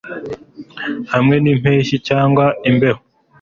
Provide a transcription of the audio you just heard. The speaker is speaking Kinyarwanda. Hamwe n'impeshyi cyangwa imbeho